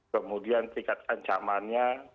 kemudian tingkatkan camannya